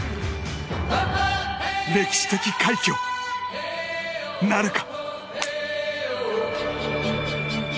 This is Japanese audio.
歴史的快挙、なるか。